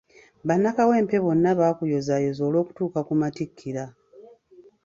Bannakawempe bonna, bakuyozaayoza olwokutuuka ku matikkira .